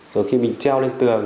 rồi khi mình treo lên tường